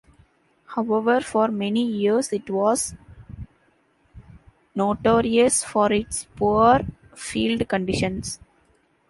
However, for many years it was notorious for its poor field conditions.